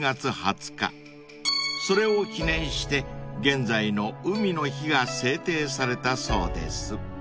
［それを記念して現在の海の日が制定されたそうです］